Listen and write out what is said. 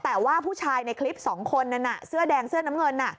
แต่ว่าผู้ชายในคลิปสองคนนั้นเสื้อแดงเสื้อน้ำเงิน